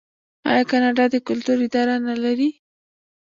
آیا کاناډا د کلتور اداره نلري؟